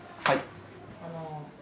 はい。